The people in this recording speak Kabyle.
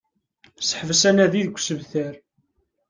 Seḥbes anadi deg usebter